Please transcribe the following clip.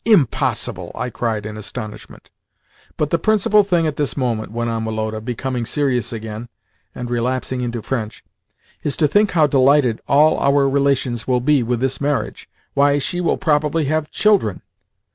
"Impossible!" I cried in astonishment. "But the principal thing at this moment," went on Woloda, becoming serious again, and relapsing into French, "is to think how delighted all our relations will be with this marriage! Why, she will probably have children!"